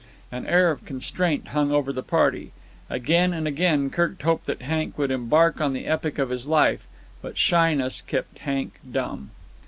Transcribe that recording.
An air of constraint hung over the party. Again and again Kirk hoped that Hank would embark on the epic of his life, but shyness kept Hank dumb.